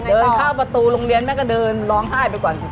เดินเข้าประตูโรงเรียนแม่ก็เดินร้องไห้ไปก่อน